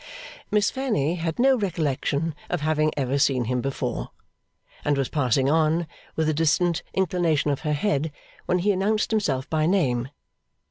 Miss Fanny had no recollection of having ever seen him before, and was passing on, with a distant inclination of her head, when he announced himself by name.